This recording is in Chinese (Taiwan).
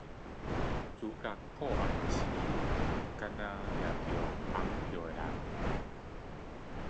主角破案時只抓到綁票的人